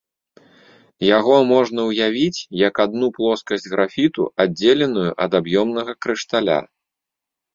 Яго можна ўявіць як адну плоскасць графіту, аддзеленую ад аб'ёмнага крышталя.